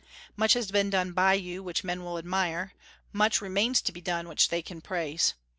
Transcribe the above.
Much has been done by you which men will admire; much remains to be done which they can praise.